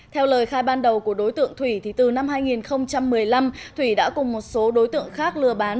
theo lời khai ban đầu của đối tượng thủy từ năm hai nghìn một mươi năm thủy đã cùng một số đối tượng khác lừa bán